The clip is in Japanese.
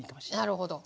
なるほど！